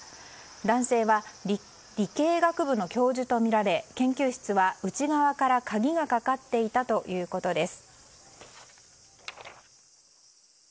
男性は理系学部の教授とみられ研究室は内側から鍵がかかっていたということです。